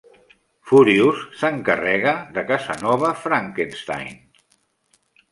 Furious s'encarrega de Casanova Frankenstein.